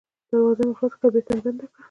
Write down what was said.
دروازه مې خلاصه کړه او بېرته مې بنده کړه.